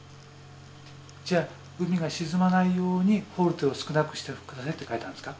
じゃあ海が沈まないようにフォルテを少なくして下さいって書いたんですか？